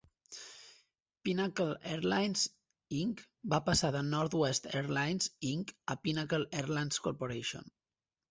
Pinnacle Airlines, Inc. va passar de Northwest Airlines, Inc. a Pinnacle Airlines Corporation.